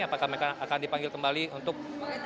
apakah mereka akan dipanggil kembali untuk